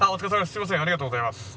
すみませんありがとうございます。